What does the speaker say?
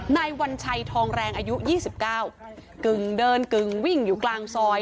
ในวันชัยทองแรงอายุยี่สิบเก้ากึงเดินเกึงวิ่งอยู่กลางซอย